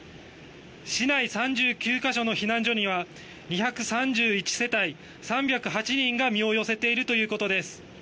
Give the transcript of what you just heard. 市内３９か所の避難所には２３１世帯３０８人が身を寄せているということです。